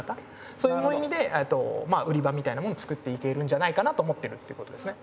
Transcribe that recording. そういう意味で売り場みたいなものも作っていけるんじゃないかなと思ってるってことですね。